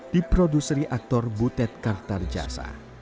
di produseri aktor butet kartar jasa